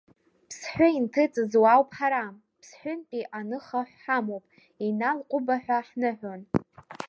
Ԥсҳәы иҭыҵыз уаауп ҳара, Ԥсҳәынтәи аныхахә ҳамоуп, Инал-ҟәыба ҳәа ҳныҳәон.